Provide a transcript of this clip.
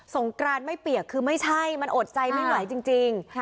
งกรานไม่เปียกคือไม่ใช่มันอดใจไม่ไหวจริง